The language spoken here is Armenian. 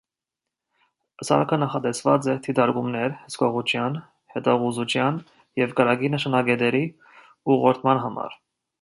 Սարքը նախատեսված է դիտարկումներ, հսկողության, հետախուզության և կրակի նշանակետերի ուղղորդման համար։